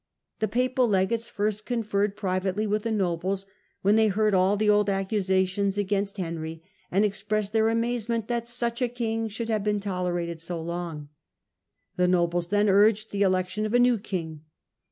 The papal legates first conferred privately Diet of yr^ the nobles, when they heard all the old iHS^h*!?^ accusations against Henry, and expressed ^®^' their amazement that sudi a king should have been tolerated so long. The nobles then urged the election of a new king.